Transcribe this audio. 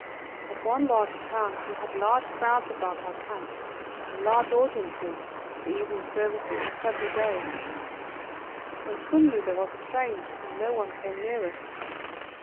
At one large town we had large crowds about our camp and large audiences for evening services for several days, when suddenly there was a change and no one came near us.